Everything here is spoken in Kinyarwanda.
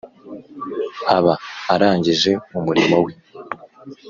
aba arangije umurimo we